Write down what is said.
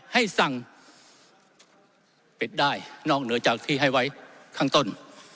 ให้สั่งเป็ดได้นอกเหนือจากที่ให้ไว้ข้างต้น